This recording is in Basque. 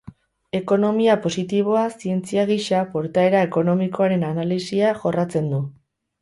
Ekonomia positiboa zientzia gisa, portaera ekonomikoaren analisia jorratzen du.